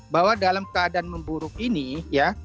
bahwa dalam keadaan memburuk ini ya